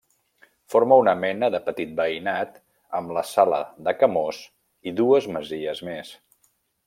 Forma una mena de petit veïnat amb la Sala de Camós i dues masies més.